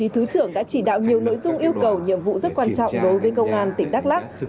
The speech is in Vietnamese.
thứ trưởng đã chỉ đạo nhiều nội dung yêu cầu nhiệm vụ rất quan trọng đối với công an tỉnh đắk lắc